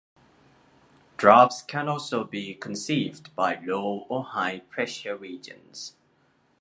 Drafts can also be conceived by low or high pressure regions.